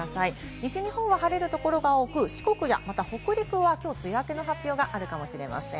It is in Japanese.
西日本は晴れるところが多く、四国や北陸はきょう梅雨明けの発表があるかもしれません。